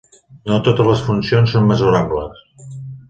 No totes les funcions són mesurables.